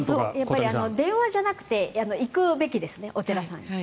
電話じゃなくて行くべきです、お寺さんに。